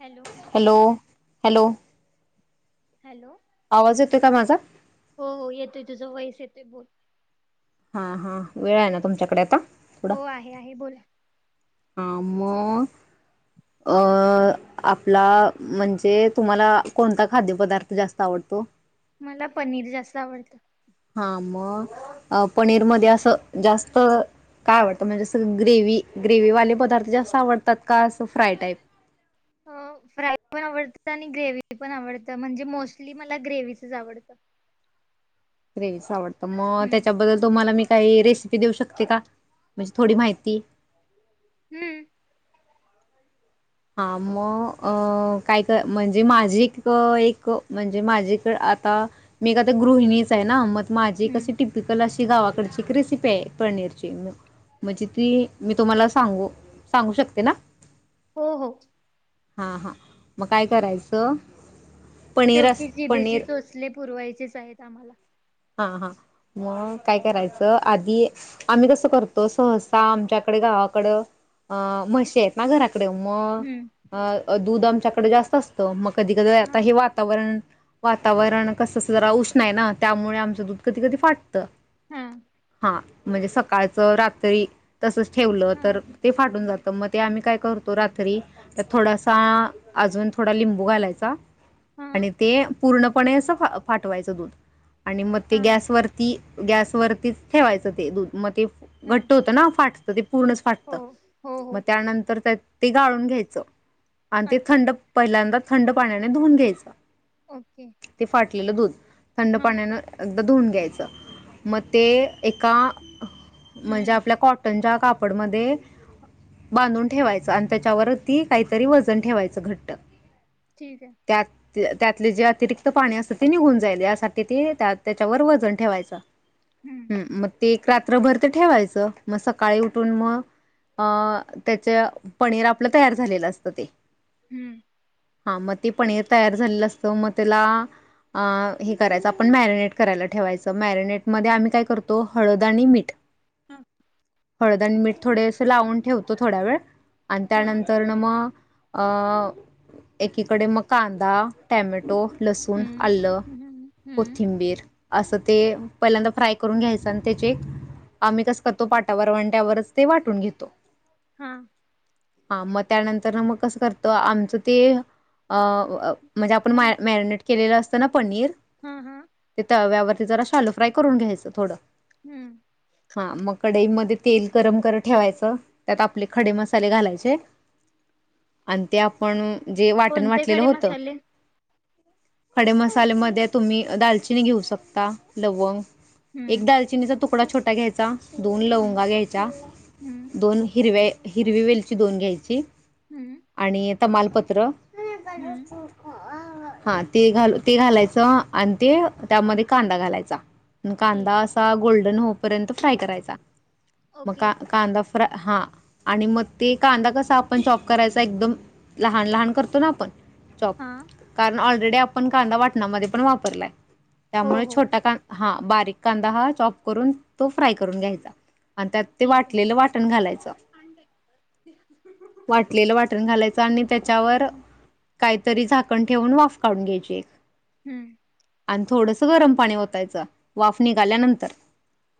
Hello hello hello hello आवाज येतोय का माझा हो हो येतोय. तुझं व्हाईस तेथे बोल. हा, हा, वेळ आहे ना! तुमच्याकडे आता? हो, आहे, आहे, बोला. हा, म अं आपला म्हणजे तुम्हाला कोनता खाद्य पदार्थ जास्त आवडतो? मला पनीर जास्त आवडत. हा, म... पनीर मध्ये असं जास्त काय आवडत? म्हनजे असं ग्रेव्ही.. ग्रेव्ही वाले पदार्थ जास्त आवडतात का, असं फ्राय टाईप? अं फ्राय पन आवडत आनी ग्रेव्ही पन आवडत, म्हणजे मोसली मला ग्रेव्ही चच आवडत. ग्रेव्हीच आवडत. त मं त्याच्याबद्दल तुम्हाला मी काही रेसि मी देऊ शकते का? म्हनजे थोडी माहिती हं हा, मं अं काय तर म्हनजे माझी क एक म्हनजे माझी तर आता मी तर काय गृहिणीचं हाय न! माझी हम्म कशी टिपिकल स ती गावाकडची एक रेसिपि आहे. पनीरची म्हंजे मी तुम्हाला सांगू, सांगू शकते ना? हो हो. हा हा मं काय करायचं? पनीर अस शेवटी जिभेचे पनीर चोचले पुरवायचेच आहेत. आम्हाला हा हा मग काय करायचं आधी आम्ही कसं करतो सहसा आमच्याकडे गावाकडं अ म्हसे आहेत ना घराक क हम्म मग दूधमच्या जास्त असतो म कधी कधी आता हा हे वातावरण वातावरण कसंस हा जरा उषनाही ना त्यामुळे आमचं दूध कध कधी फाटत. हम ह म्हणजे सकाळचं रात्री तसंच ठेवलं तर ते फाटून जात तर मग ते आम्ही काय करतो रात्री तर थोडासा अजून थोडा लिंबू घालायचा हा आणि ते पूर्णपणे अस फाटवायचं दूध आणि मग ते हा गॅसवररती गॅसवररतीच ठेवायचं ते दूध मग ते हा घट्ट होतं ना फाट क पूर्णच फाटत हो हो हो मग त्यानंतर त्या ते गाळून घ्यायचं आणि ते अच्छा थंड पहिल्यांदा थंड पाण्याने धुवून घ्यायच ओके लं दूध हा पाण्यान आ धुऊून घ्यायचं मग ते एका म्हणजे हम्म आपल्या कॉटनच्या काप पड म बांधून ठेवायचं आणि त्याच्यावर ती काहीतरी वजन ठेवायचं घट्ट ठीक आहे. त्यात त्यातले जे अतिरिक्त पाणी असतं ते निघून जाईल यासाठी तिथे त्या त्याच्यावर वजन ठेवायचं. हम्म म रात्रभर तर ठेवायचं मग सकाळी उठून मग अ त्याच पनीर आपलं तयार झालेलं असतं ते हम्म हा मग ते पनीर तयार झालेलं असतं मग त्याला अ हे कराय आपण मॅरिनेट करायला ठेवायचं मॅरिनेट मध्ये आम्ही काय करतो हळद आणि मीठ हम हळद आणि मीठ थोडेसं लावून ठेवतो थोड्या वेळ आणि हा त्यानंतर ना मग अ एकीकडे मग कांदा टोमॅटो लसूण हम्म आलं हम्म हम्म कोथिंबीर असं ते पहिल्यांदा फ्राय करून घ्यायचं आणि त्याचे आम्ही कस करतो पाट्या वरवंट्या वर वाटून घेतो. हा हा मग त्यानंतर ना मग कसं करतो आमचं ते अ म्हणजे आपण हा मॅरिनेट केलेलं अस असतं ना पनीर? हा हा तव्यावर जरा शालो फ्राय करून घ्यायचं थोडं. हम्म हा मग कडईमध्ये तेल गरम करत ठेवायचं त्यात आपले खडे मसाले घालायचे आणि ते आपण जे वाटण कोणते वाटलेलं खडे होत. मसाले खडे मसाले मध्ये तुम्ही दालचिनी घेऊ शकता लवंग हम्म एक दालचिनीचा तूकडा तुकडा छोटा घ्यायचा. दोन हम्म लवंगा घ्यायच्या हम्म दोन हिरव्य हिरवी वेलची दोन घ्यायची हम्म आणि तमालपत्र हम्म [unintelligible] हा ते घाल ते घालायचं. आणि ते त्यामध्ये कांदा घालायचा. कांदा ठीक असा गोल्डन हो पर्यंत फ्राय करायचा. आहे म ओके का कांदा फ्राय हा आणि मग ते कांदा कसा आपण चॉप करायचा एकदम लहान लहान करतो ना आपण चॉप हा कारण ऑलरेडी आपण कांदा वाटमध्ये पण वापरलाय हो त्यामुळे हो छोटा कांदा हा बारीक कांदा हा चॉप करून तो फ्राय करून घ्यायचा. आणि त्यात ते ठीक आहे वाटलेलं वाटण घालायचं वाटलेलं वाटण घालायचं आणि त्याच्यावर हम्म काय तरी झाकण ठेवून वाफ काढून घ्यायची हूं आणि थोडंस गरम पाणी ओतायचं वाफ निघाल्यानंतर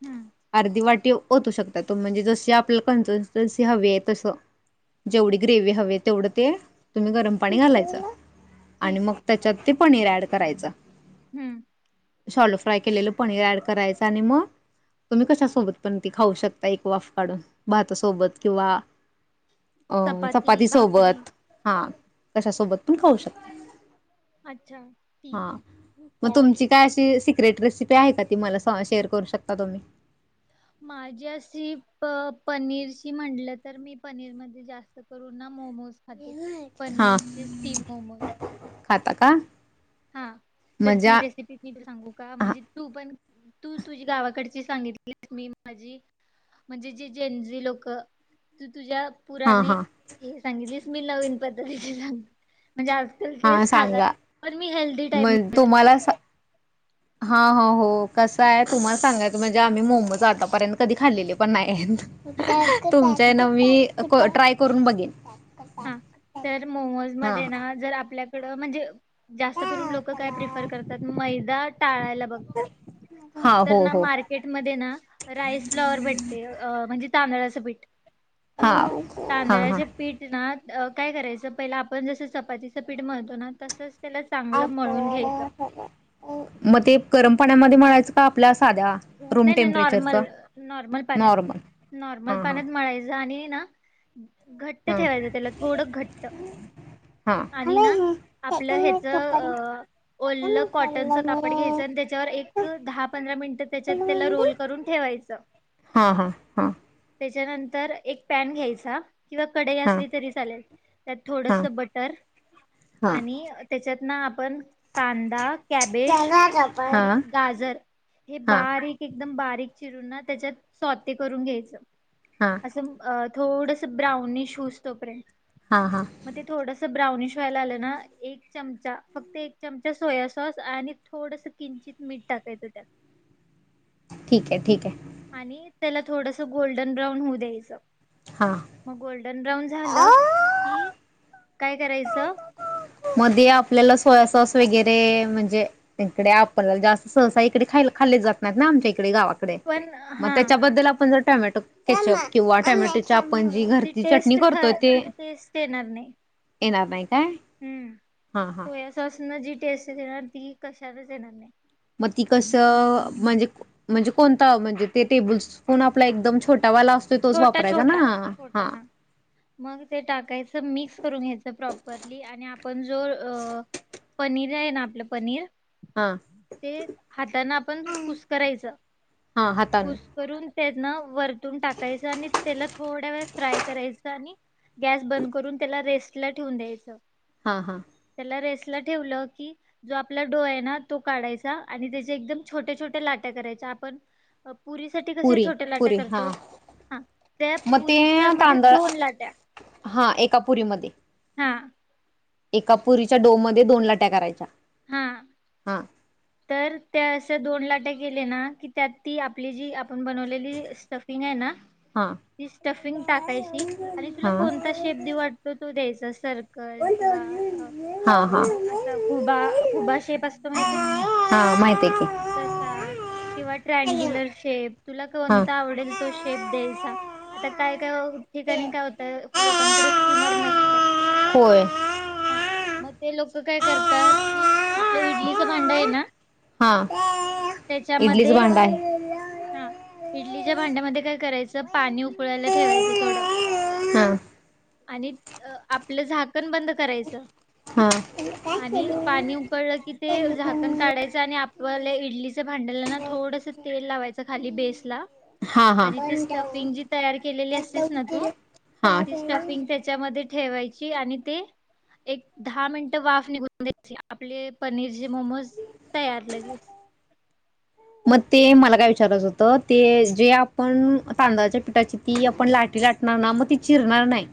हम्म अर्धी वाटी ओतू शकता तो म्हणजे जशी आपल्या कन्सिस्टन्सी हवी आहे तसं जेवढी ग्रेव्ही हवी तेवढं ते तुम्ही गरम पाणी घालायचं आणि ठीक मग त्याच्यात ते पनीर ऍड करायचं हूं शालो फ्राय केलेलं पनीर ऍड करायचं आणि मग तुम्ही कशा सोबत पण ते खाऊ शकता एक वाफ काढून भाता सोबत किंवा अं चपाती सोबत हा कशासोबत पण खाऊ शकता अच्छा ठीक आहे म तुमची काय अशी सिक्रेट रेसिपी आहे का ती मला शेअर करू शकता तुम्ही माझी अ पनीर म्हटलं तर मी पनीर म जास्त करूनमो हा ते हा पनीरचे स्टीम मोमोयत. खाता का? हा तर म्हणजे ती हा रेसिपी [unintelligible] मी सांगू का म्हणजे तू पण तू तुझी गावाकडची सांगितली, मी माझी म्हणजे जी जेंजी लोक तुझ्या हा पुराने हा. हे सांगितलीस. मी नवीन पद्धतीची सांग म्हणजे आजकाल हा तेच खातात. सांगा तर मी हेल्दी मग तुम्हाला टाईप [unintelligible] हा हा हो हो कसाय तुम्हाला सांगायच म्हणजे आम्ही मोमोज आतापर्यंत कधी खाल्लेले पण नाहीत, तुमच्या ह्याने मी क ट्राय करून बघेन. हा. तर मोमोज हा मध्ये ना जर आपल्या कड म्हणजे जास्त करून हा लोक काय प्रिफर करतात मैं दा टाळायला [unintelligible] बगतात. हा तर हो ना हो मार्केट मध्ये ना, राईसफ्लावर भेटते अं म्हणजे तांदळाचे वेट हा [inaudible] हा हा. [unintelligible] काय करायचं पहिलं, आपण जसं चपातीचं पीठ मळतो तो ना, तसंच त्याला [unintelligible] चांगलं मळून घ्यायचं पाण्यामध्ये मळायचे का? आपल्या साध्या? रूम नाही नाही टेम्परेचरच नॉर्मल, नॉर्मल पाण्यात, नॉर्मल नॉर्मल हा पाण्यात मळायचे आणि ना घट्ट हा ठेवायचं त्याला थोडं घट्ट हा आणि ना आपलं हेच अ ओल्लं कॉटनचं कापड घ्यायचं आणि तेच्यावर हा एक दहा पंधरा मिनिटं तेच्यात तेला पुलमेंदी रोल करून ठेवायच. त्या हा हा हा त्याच्यानंतर एक पॅन घ्यायचा किंवा कडई हा असली तरी चालेल, त्यात हा थोडस बटर, हा आणि तेच्यात ना आपण कांदा, कॅबेज त्याला रबर हा आणि गाजर हे हा बारीक एकदम बारीक चिरून ना, तेच्यात स्वाते करून घ्यायचं. हा असं म अ थोडस ब्राऊनीश होवूसतोपर्यंत हा हा म ते थोडस ब्राउनिश व्हायला आलं ना, एक चमचा, फक्त एक चमचा सोया सॉस आणि थोडस किंचित मीठ टाकायचं त्यात ठीक आहे ठीक आहे. आणि त्याला थोडस गोल्डन ब्राऊन होऊ द्यायचं. हा मग गोल्ड गोल्डन ब्राऊन झालं कि काय करायचं? मध्ये आपल्याला सोया सॉस वगैरे म्हणजे तकडे आपल्याला जास्त सहसा इकडे खाल्ले जात नाही ना आमच्या इक इकडे गावाकडे पण मग हा तेच्याबद्दल आपण टोमॅटो केचप किंवा टोमॅटो चाप ती टेस्ट ख ती टेस्ट येणार नाही. येणार नाही. काय हुं, हा हा सोया सॉस न जी टेस्ट येणार ती कशालाच येणार नाही. म ती कस म्हणजे म्हणजे कोणता म्हणजे टेबलस्पून आपला एकम छो छोटा छोटा छोटा हा मग ते टाकायचं मिक्स करून घ्यायचं प्रॉपरली आणि आपण जो अ पनीर आहे ना आपलं पनीर हा ते हाताना आपण कुसकरायच हा हातान कुसकरून ते ना वरतून टाक. टाकायच आणि तेलात थोडा वेळच फ्राय करायचा आणि गॅस बंद करून त्याला रेस्ट ला ठेवून द्यायचं. हा, हा. त्याला रेस्टला ठेवल की जो आपला डो आहे ना तो काढायचा आणि तेचे एकदम छोट्या छोट्या लाटा करायच्या आपण पुरीसाठी कसे छोट्या लाटा करतो. त्या म ते पुरीच्या मध्ये तांदळा दोन लाट्या हा एका पुरीमध्ये हा एका पुरीच्या डो मध्ये दोन लाट्या करायच्या हा हा तर त्या अस दोन लाटे केले ना की त्यात ती आपली जी आपण बनवलेली स्टफिंग आहे ना हा ती स्टफिंग टाकायची आणि तुला हा कोणता शेप दि वाटतो तू द्यायचास सर ल किंवा हा हा असा खुबा खुबा शेप असतो माहि तेे हा माहित आहे तसा किंवा की ट्रयगुलर शेप तुला हा. कोणता आवडेल तो शेप द्यायचा आता काय ठिकाणी काय होत लोकांकडे सिमर नसत होय. ह म ते लोक काय करतात की आपलं इडलीचं भांडा ना हा इडलीच त्याच्यामध्ये भांडा आहे हा इडलीच्या भांड्यामध्ये काय करायचं पाणी उकळायला ठेवायचं थोडं हा आणि आपलं झाकण बंद करायचं हा. आणि पाणी उकळलं की ते झाक पण काढायच आणि आपल्या इडलीचं भांडला ना थोडस तेल लावायचं खाली बेस ला हा आणि ती हा. स्टफिंग जी तयार केलेली असतेस ना तू ती हा स्टफिंग त्याच्यामध्ये ठेवायची आणि ते एक दहा मिनट वाफ निघून द्यायची आपले पनीर जे मोमोज तयार लगेच मग ते मला काय विचारायचं होतं ते जे आपण तांदळाच्या पिठाची ती आपण लाट लाटणार ना मग ती चिरणार नाही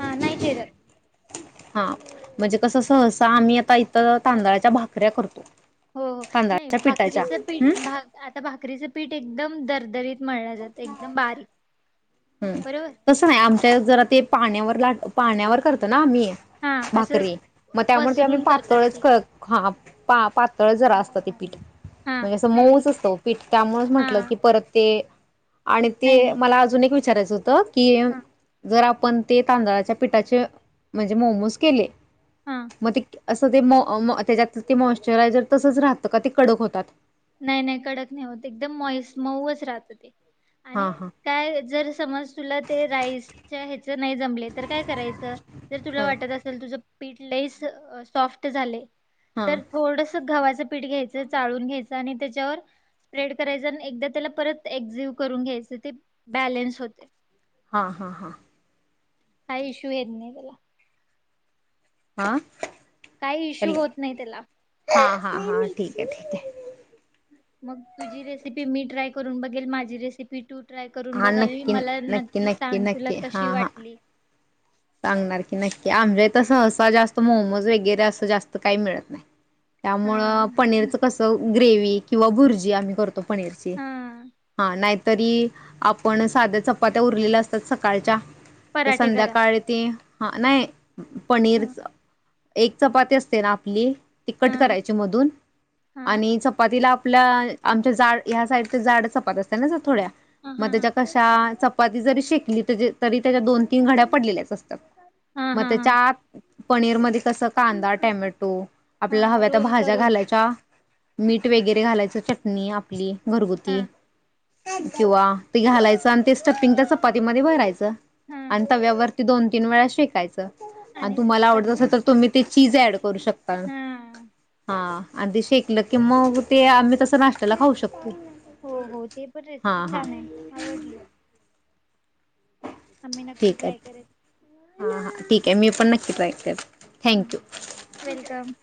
हा नैचरयर हा म्हणजे कस सहसा आम्ही आता इथ तांदळाच्या भाकऱ्या करतो हो हो नाही तांदळाच्या पिठाच्या भाकरीचं हम्म पीठ आता भाकरीचं पीठ एकदम दरदरीत म्हणलं जात एकदम बारीक हम्म बरोबर तसं नाही आमच्या जरा ते पाण्यावर ला पाण्यावर करतो ना आम्ही हा असं स- भाकरी मग त्यामुळे ते आम्ही वसरून करतात ते पातळचा पा पातळ जरा असतं ते पीठ हा म्हणजे असं नाही नाही मऊच असतं पीठ त्यामुळेच हा म्हंटलं की परत ते आणि नाही ते नाही मला अजून एक विष विचारायच होतं कीम हा जरा आपण ते तांदळाच्या पिठाचे म्हणजे मोमोज केले. हा मतक असं ते मो अम् त्याच्यात ते मॉशचरायझर तसच राहतं का ते कडक होतात. नाही नाही कडक नाही होत एकदम मोइस मऊच राहत ते. आणि हां हां काय जर समज तुला ते राईस च्या ह्याच नाही जमले तर काय करायचं जर तुला हां वाटत असेल तुझ, स्ीटलेस सॉफ्ट झाले. तर हां थोडस गव्हाच पीठ् घ्यायच चाळून घ्याचं आणि त्याच्यावर स्प्रेड करायच आणि एकदा त्याला परत एक्झिव करून घ्यायच ते बॅलन्स होते. हा हा हा आ इशू हेेत नाही इला. आह काही इश्यू होत नाही त्याला. हां हां ठीके आहे ठीके. मग तुझी रेसिपी मी ट्राय करून बघेल माझी रेसिपी टू ट्राय करून हां बघावी नक्की मला नक्की सांग तुला नक्की कशी हां हां वाटली. सांगणार की नक्की आमच्या इथ सहसा जास्त मोमोज वगैरे असं जास्त काही मिळत नाही. हा त्यामुळं पनीरचं कसं, ग्रेवी किंवा भुर्जी आम्ही करतो. पनीरची हा हा नाही. तरी आपण साध्या चपात्या उरलेल्या असतात सकाळच्या तर पराठे करा संध्याकाळी हा नाही. हा पनीरचं. एक चपाती असते ना आपली. ती हा कट करायची मधून हा आणि चपातीला आपल्या आमच्या जाड ह्या साईडचे जाड चपत असते ना जर थोड्या हा हा मग त्याच्या कशा उपाद जरी शेकली तरी त्याच्या दोन तीन घड्या पडलेल्याचतात. तर. हा म हा हा तेच्यात- पनीरमध्येध्ये कस कांदा, टॅमॅटो आपल्याला हा हव्या त रोल भाज्या करून घालायच्या. मीठ वगैरे घालायचं चटणी आपली हा घरगुती. किंवा ते घालायचं आणि ते स्टपपिंग त्या चपातीमध्ये भरायचं. अं हा तव्यावर दोन- - तीन वेळा शेकायचं. आणि तुम्हाला आवडत असेल तर तुम्ही ते- - चीजॲड- - करू शकता हा हा. आधी शेकलं की मग ते आम्ही तसं नाशत्याला खऊ शकतो. हो हो ते पण हा रेसिपी हा छान आहे आवडली. आम्ही नक्की ठीक आहे. ट्राय करेल हा हा ठीक. क मी पण नक्की ट्राय कर. हम वेलकम.